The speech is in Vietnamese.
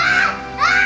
cha cha nhá